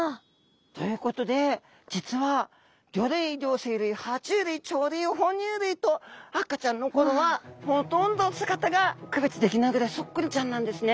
ということで実は魚類両生類は虫類鳥類哺乳類と赤ちゃんの頃はほとんど姿が区別できないぐらいそっくりちゃんなんですね。